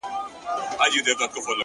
خدايه ته لوی يې’